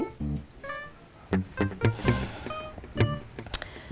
aku gak ada salah sama noni